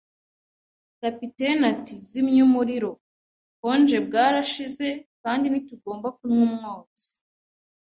Kapiteni ati: "Zimya umuriro". “Ubukonje bwarashize, kandi ntitugomba kunywa umwotsi